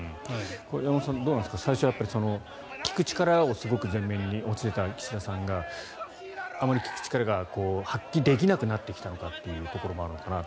山本さん最初は聞く力をすごく前面に押し出した岸田さんがあまり聞く力が発揮できなくなってきたのかなというところも。